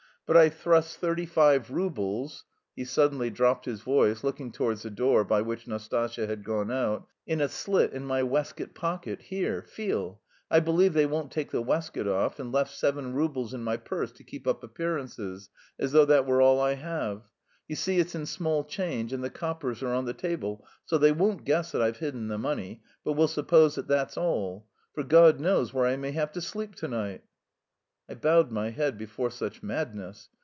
But I thrust thirty five roubles" (he suddenly dropped his voice, looking towards the door by which Nastasya had gone out) "in a slit in my waistcoat pocket, here, feel.... I believe they won't take the waistcoat off, and left seven roubles in my purse to keep up appearances, as though that were all I have. You see, it's in small change and the coppers are on the table, so they won't guess that I've hidden the money, but will suppose that that's all. For God knows where I may have to sleep to night!" I bowed my head before such madness.